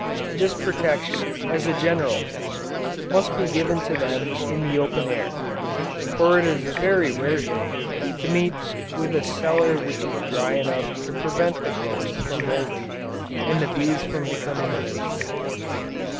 This protection, as a general thing, must be given to them in the open air, for it is a very rare thing, to meet with a cellar which is dry enough to prevent the combs from moulding, and the bees from becoming diseased.